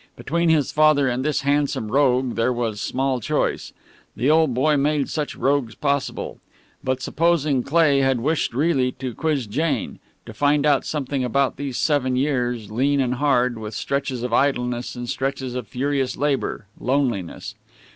Between his father and this handsome rogue there was small choice. The old boy made such rogues possible. But supposing Cleigh had wished really to quiz Jane? To find out something about these seven years, lean and hard, with stretches of idleness and stretches of furious labour, loneliness?